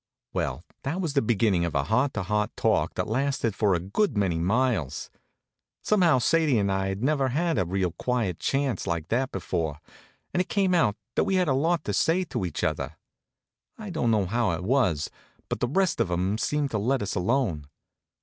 Well, that was the beginnin' of a heart to heart talk that lasted for a good many miles. Somehow Sadie and I'd never had a real quiet chance like that before, and it came out that we had a lot to say to each other. I don't know how it was, but the rest of 'em seemed to let us alone.